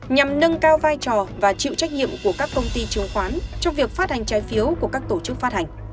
nhằm nâng cao vai trò và chịu trách nhiệm của các công ty chứng khoán trong việc phát hành trái phiếu của các tổ chức phát hành